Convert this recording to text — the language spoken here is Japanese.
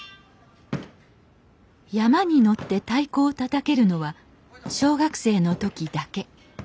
山車に乗って太鼓をたたけるのは小学生の時だけ。